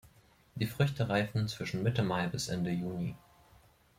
Die Früchte reifen zwischen Mitte Mai bis Ende Juni.